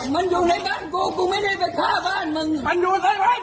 มันอยู่ในบ้านกู